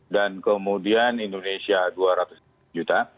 dan kemudian indonesia dua ratus juta